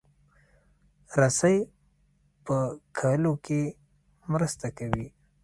رسۍ په کښلو کې مرسته کوي.